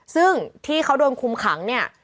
ซึ่งที่เขาโดนคุมขังเนี่ย